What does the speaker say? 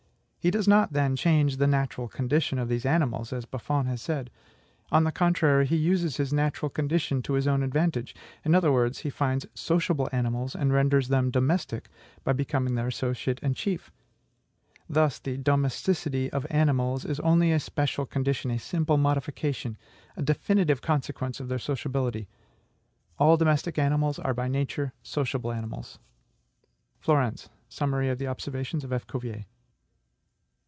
He does not, then, change the NATURAL CONDITION of these animals, as Buffon has said. On the contrary, he uses this natural condition to his own advantage; in other words, he finds SOCIABLE animals, and renders them DOMESTIC by becoming their associate and chief. Thus, the DOMESTICITY of animals is only a special condition, a simple modification, a definitive consequence of their SOCIABILITY. All domestic animals are by nature sociable animals."... Flourens: Summary of the Observations of F. Cuvier.